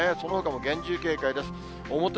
そのほかも厳重警戒です。